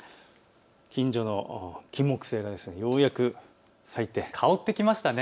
近所のキンモクセイがようやく咲いて、香ってきました。